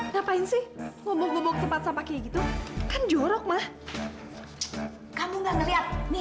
sampai jumpa di video selanjutnya